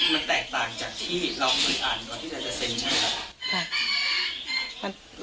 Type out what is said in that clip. มันแตกต่างจากที่เราเคยอ่านก่อนที่เราจะเซ็นใช่ไหมครับ